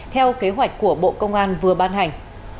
theo kế hoạch của bộ công an vừa ban hành